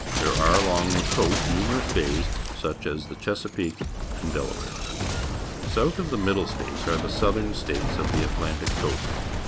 There are along the coast numerous bays, such as Chesapeake and Delaware. South of the Middle States are the Southern States of the Atlantic Coast.